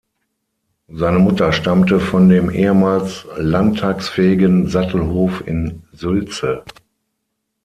Seine Mutter stammte von dem ehemals landtagsfähigen Sattelhof in Sülze.